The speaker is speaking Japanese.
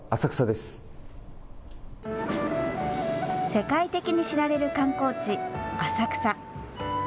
世界的に知られる観光地、浅草。